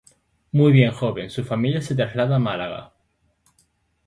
Muy joven su familia se traslada a Málaga.